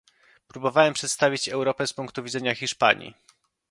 Próbowałem przedstawić Europę z punktu widzenia Hiszpanii